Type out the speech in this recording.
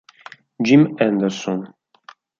Jim Anderson